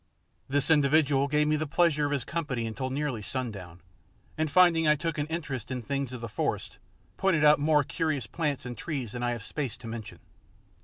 This individual gave me the pleasure of his company until nearly sundown, and finding I took an interest in things of the forest, pointed out more curious plants and trees than I have space to mention.